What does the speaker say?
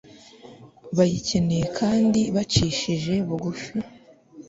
bayikeneye kandi bicishije bugufi